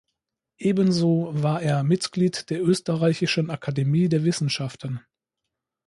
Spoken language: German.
Ebenso war er Mitglied der Österreichischen Akademie der Wissenschaften.